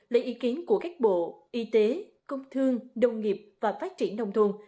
lấy ý kiến của các bộ y tế công thương đồng nghiệp và phát triển nông thôn